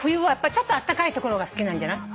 ちょっとあったかい所が好きなんじゃない？